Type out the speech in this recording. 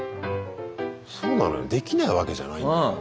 そうなのよできないわけじゃないんだよ。